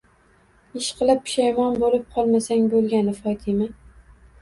Ishqilib pushaymon bo'lib qolmasang bo'lgani, Fotima!